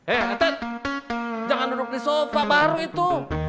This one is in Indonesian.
eh ated jangan duduk di sofa baru itu